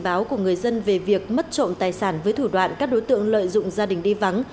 báo của người dân về việc mất trộm tài sản với thủ đoạn các đối tượng lợi dụng gia đình đi vắng